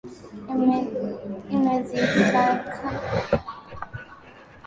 imezitaka pande zote kuhesimu matokeo hayo na kumaliza tofauti zozote walizonazo